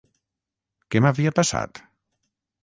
Què m'havia passat?